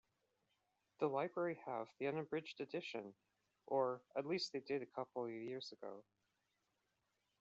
The library have the unabridged edition, or at least they did a couple of years ago.